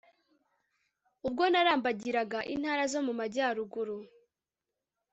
ubwo narambagiraga intara zo mu majyaruguru